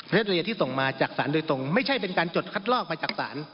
และเรียที่ส่งมาจากศาลโดยตรงไม่ใช่เป็นการจดคัดลอกมาจากศาล